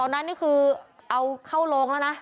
นั้นนี่คือเอาเข้าโรงแล้วนะ